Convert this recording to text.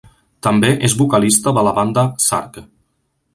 També és vocalista de la banda Sarke.